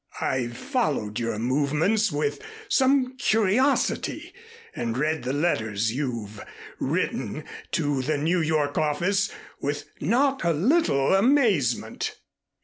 I've followed your movements with some curiosity and read the letters you've written to the New York office with not a little amazement."